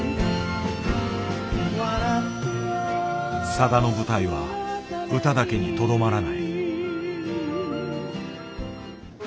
さだの舞台は歌だけにとどまらない。